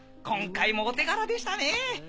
今回もお手柄でしたねぇ。